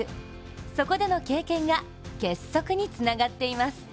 そこでの経験が結束につながっています。